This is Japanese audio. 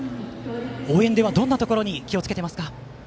応援ではどんなところに気をつけていますか？